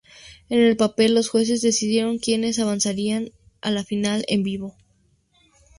En el panel, los jueces decidieron quienes avanzarían a la final en vivo.